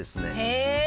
へえ。